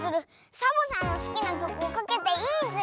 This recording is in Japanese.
サボさんのすきなきょくをかけていいズル！